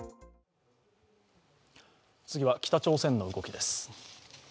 次は北朝鮮の動きです。